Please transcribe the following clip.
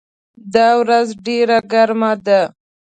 دا ورځ ډېره ګرمه ده.